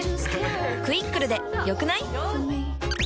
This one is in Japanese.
「クイックル」で良くない？